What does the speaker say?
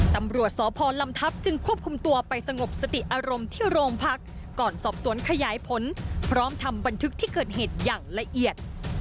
ตำรวจสพลำทัพจึงควบคุมตัวไปสงบสติอารมณ์ที่โรงพักก่อนสอบสวนขยายผลพร้อมทำบันทึกที่เกิดเหตุอย่างละเอียด